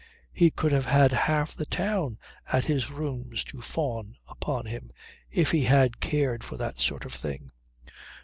He could have had half the town at his rooms to fawn upon him if he had cared for that sort of thing.